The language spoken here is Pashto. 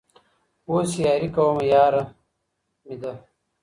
اوس يې ياري كومه ياره مـي ده